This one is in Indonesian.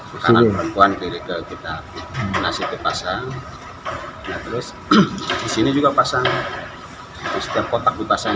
hai senyum perempuan diri kita masih dipasang terus disini juga pasang setiap kotak dipasang